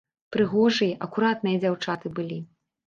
Прыгожыя, акуратныя дзяўчаты былі.